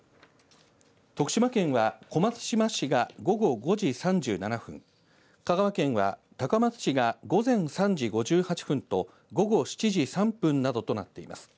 徳島県は小松島市が午後５時３７分、香川県は高松市が午前３時５８分と午後７時３分などとなっています。